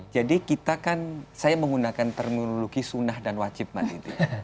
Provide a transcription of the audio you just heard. jadi kita kan saya menggunakan terminologi sunah dan wajib mbak titi